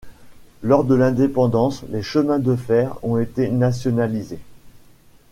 Lors de l'indépendance, les chemins de fer ont été nationalisés.